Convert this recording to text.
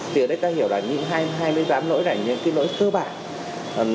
thì ở đây ta hiểu rằng những hai bên giám lỗi này những cái lỗi cơ bản